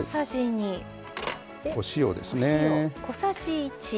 お塩ですね。